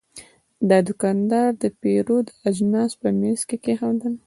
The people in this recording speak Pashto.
دا دوکاندار د پیرود اجناس په میز کې کېښودل.